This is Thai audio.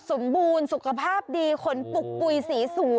เชื่อขึ้นเร็ว